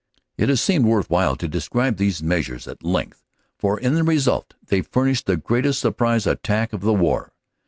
It has seemed worth while to describe these measures at length for in their result they furnished the greatest surprise attack of the war.